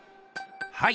はい。